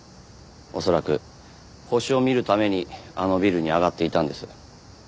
恐らく星を見るためにあのビルに上がっていたんです。